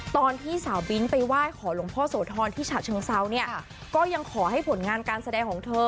ตอนที่สาวบิ้นไปไหว้ขอหลวงพ่อโสธรที่ฉะเชิงเซาเนี่ยก็ยังขอให้ผลงานการแสดงของเธอ